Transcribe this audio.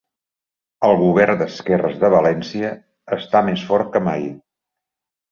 El govern d'esquerres de València està més fort que mai